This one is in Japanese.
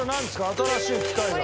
新しい機械が。